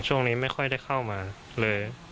ช่วงนี้ไม่ค่อยได้เข้ามาเลย